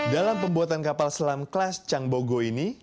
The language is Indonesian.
dalam pembuatan kapal selam kelas changbogo ini